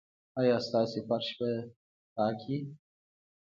ایا ستاسو فرش به پاک نه وي؟